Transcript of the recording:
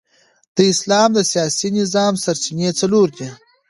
د اسلام د سیاسي نظام سرچینې څلور دي.